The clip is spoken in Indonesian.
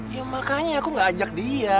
ya makanya aku gak ajak dia